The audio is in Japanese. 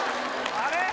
あれ？